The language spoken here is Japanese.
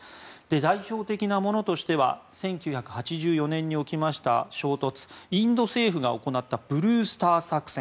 代表的なものとしては１９８４年に起きました衝突インド政府が行ったブルースター作戦。